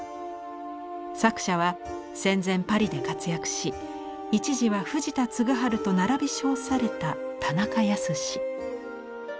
作者は戦前パリで活躍し一時は藤田嗣治と並び称された田中保。